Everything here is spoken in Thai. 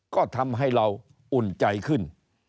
ก็ทำให้เราอุ่นใจขึ้น